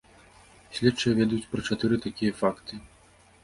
Следчыя ведаюць пра чатыры такія факты.